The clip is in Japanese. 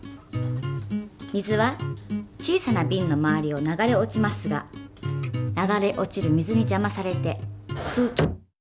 水は小さなビンの周りを流れ落ちますが流れ落ちる水にじゃまされて空気。